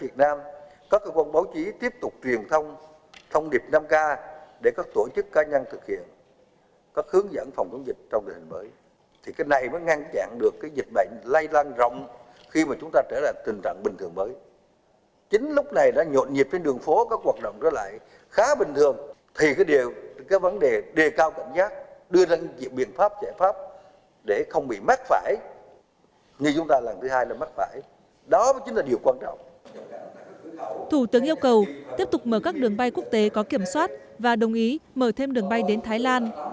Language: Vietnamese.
thủ tướng yêu cầu tiếp tục mở các đường bay quốc tế có kiểm soát và đồng ý mở thêm đường bay đến thái lan